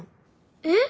えっ？